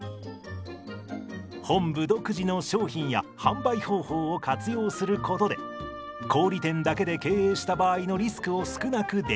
本部独自の商品や販売方法を活用することで小売店だけで経営した場合のリスクを少なくできる。